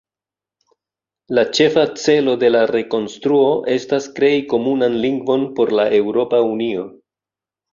La ĉefa celo de la rekonstruo estas krei komunan lingvon por la Eŭropa Unio.